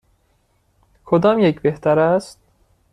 کدام یک بهتر است؟